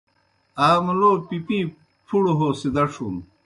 آ مُلو پِپِیں پُھڑوْ ہو سِدَڇُھن۔